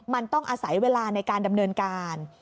มันต้องอาศัยเวลาในการดำเนินการ